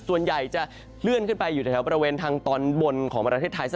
ส่วนใหญ่จะเลื่อนขึ้นไปอยู่แถวบริเวณทางตอนบนของประเทศไทย